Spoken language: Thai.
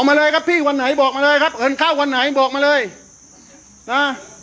มาเลยครับพี่วันไหนบอกมาเลยครับเงินเข้าวันไหนบอกมาเลยนะ